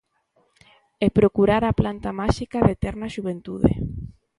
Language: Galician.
E procurar a planta máxica da eterna xuventude.